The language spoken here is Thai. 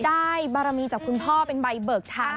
ได้บารมีจากคุณพ่อเป็นใบเบิกทาง